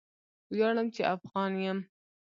ویاړم چې افغان یم